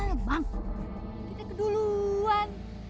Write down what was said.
eh bang kita keduluan